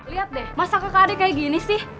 lihat deh masa kakak adik kayak gini sih